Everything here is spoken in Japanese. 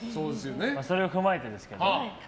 それを踏まえてですが。